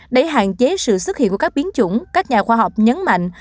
để hạn chế sự xuất hiện của các biến chủng các nhà khoa học nhấn mạnh